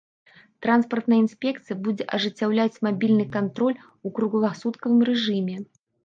Транспартная інспекцыя будзе ажыццяўляць мабільны кантроль у кругласуткавым рэжыме.